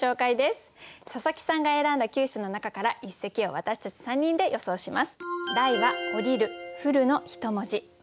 佐佐木さんが選んだ９首の中から一席を私たち３人で予想します。